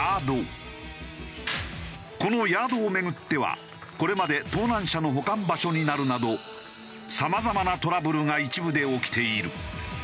このヤードを巡ってはこれまで盗難車の保管場所になるなどさまざまななトラブルが一部で起きている。